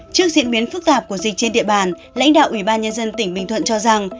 trước diễn biến phức tạp của dịch trên địa bàn lãnh đạo ủy ban nhân dân tỉnh bình thuận cho rằng